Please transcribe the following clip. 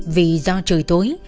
vì do trời tối